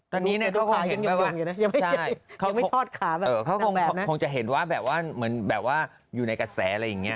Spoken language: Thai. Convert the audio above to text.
ตอนนี้เนี่ยเขาคงเห็นแบบว่าเหมือนแบบว่าอยู่ในกระแสอะไรอย่างเงี้ย